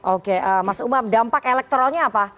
oke mas umam dampak elektoralnya apa